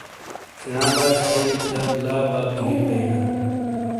شینا باشی تھینیک جک لا باک گلیت بیئینا۔